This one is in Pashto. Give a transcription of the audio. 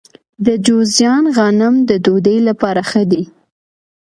د جوزجان غنم د ډوډۍ لپاره ښه دي.